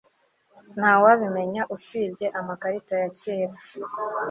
Ntawabimenya usibye amakarita ya kera